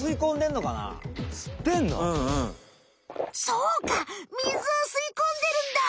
そうか水を吸い込んでるんだ！